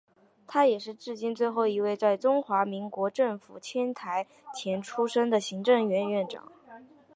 他也是至今最后一位在中华民国政府迁台前出生的行政院院长。